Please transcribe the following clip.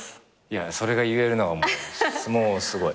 それが言えるのがもうすごい。